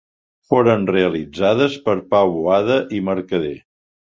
Foren realitzades per Pau Boada i Mercader.